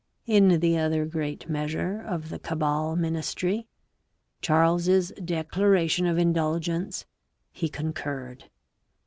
In the other great measure of the Cabal ministry, Charles's Declaration of Indulgence, he concurred.